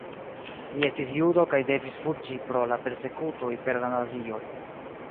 Li estis judo kaj devis fuĝi pro la persekutoj per la nazioj.